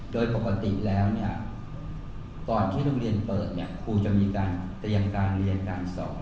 โดยปกติแล้วเนี่ยก่อนที่โรงเรียนเปิดเนี่ยครูจะมีการเตรียมการเรียนการสอน